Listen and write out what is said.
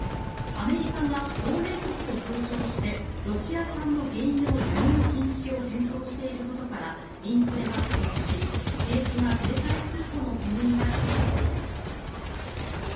アメリカが同盟国と協調してロシア産の原油の輸入禁止を検討していることからインフレが加速し景気が停滞するとの懸念が広がっています。